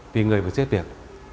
vì người mà xếp việc